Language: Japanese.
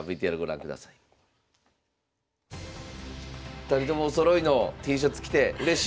２人ともおそろいのＴシャツ着てうれしい。